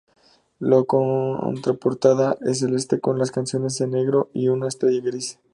La contraportada es celeste con las canciones en negro y una estrella gris.